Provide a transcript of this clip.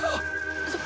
そっ